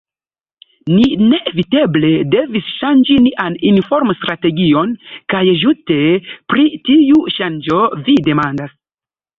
Ni neeviteble devis ŝanĝi nian informstrategion, kaj ĝuste pri tiu ŝanĝo vi demandas.